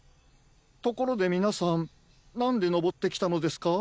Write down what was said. ところでみなさんなんでのぼってきたのですか？